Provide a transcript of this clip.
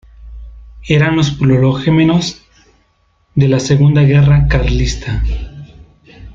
Eran los prolegómenos de la Segunda Guerra Carlista.